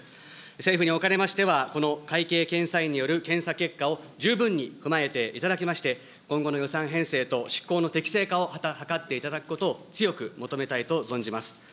政府におかれましてはこの会計検査院による検査結果を十分に踏まえていただきまして、今後の予算編成と執行の適正化を図っていただくことを強く求めたいと存じます。